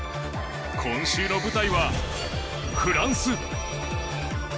今週の舞台はフランス。